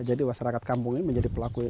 jadi wasarakat kampung ini menjadi pelaku